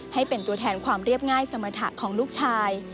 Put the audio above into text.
ให้เป็นตัวแทนความเรียบง่ายสมรรถะของลูกชาย